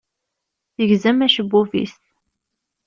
Tegzem acebbub-is.